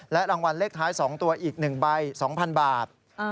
รางวัลเลขท้าย๒ตัวอีก๑ใบ๒๐๐๐บาท